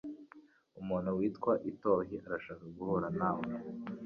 Umuntu witwa Itoh arashaka guhura nawe.